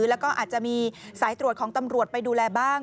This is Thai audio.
แล้วก็อาจจะมีสายตรวจของตำรวจไปดูแลบ้าง